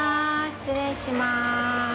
失礼します。